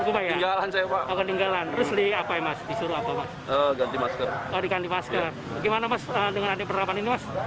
mas dengan adik peraman ini mas